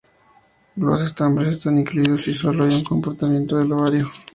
Los estambres están incluidos y solo hay un compartimento del ovario.